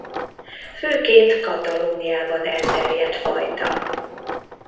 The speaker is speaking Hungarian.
Főként Katalóniában elterjedt fajta.